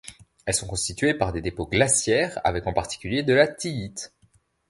Elles sont constitués par des dépôts glaciaires avec en particulier de la tillite.